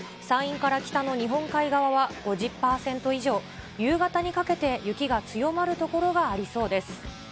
山陰から北の日本海側は５０％以上、夕方にかけて雪が強まる所がありそうです。